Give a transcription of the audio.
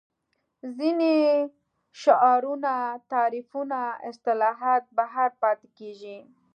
ځینې شعارونه تعریفونه اصطلاحات بهر پاتې کېږي